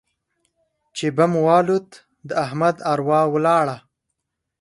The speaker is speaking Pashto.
چې بم والوت؛ د احمد اروا ولاړه.